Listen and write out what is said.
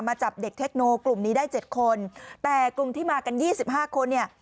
จับเด็กเทคโนกลุ่มนี้ได้เจ็ดคนแต่กลุ่มที่มากันยี่สิบห้าคนเนี่ย